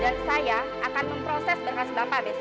dan saya akan memproses bekas bapak besok